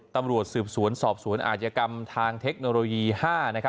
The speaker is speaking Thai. ตำรวจสืบสวนสอบสวนอาจยกรรมทางเทคโนโลยี๕